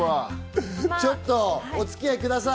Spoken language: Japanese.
ちょっとお付き合いください。